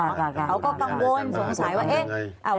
เขาก็กังวลสงสัยว่าเอ๊ะ